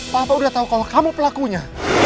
papa udah tahu kalau kamu pelakunya